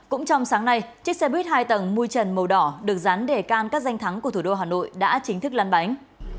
cũng trong sáng nay chiếc xe buýt hai tầng mui trần màu đỏ được dán đề can các danh thắng của thủ đô hà nội đã chính thức lăn bánh